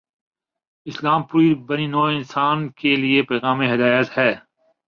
اسلام پوری بنی نوع انسان کے لیے پیغام ہدایت ہے۔